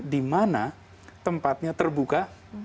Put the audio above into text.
di mana tempatnya terbuka